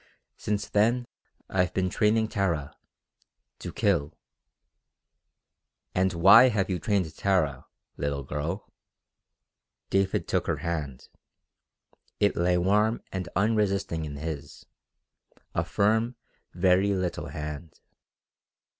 Since then I've been training Tara to kill." "And why have you trained Tara, little girl?" David took her hand. It lay warm and unresisting in his, a firm, very little hand.